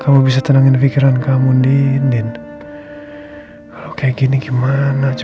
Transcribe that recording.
kamu bisa tenangin pikiran kamu niin kalau kayak gini gimana